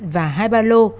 và hai ba lô